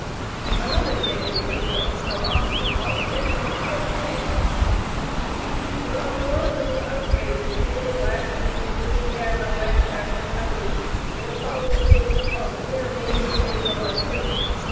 Another daily paper of opposite politics thus spake: "The unwarrantable outrage committed last week, at Christiana, Lancaster county, is a foul stain upon the fair name and fame of our State.